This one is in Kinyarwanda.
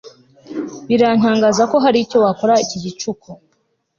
Birantangaza ko hari icyo wakora iki gicucu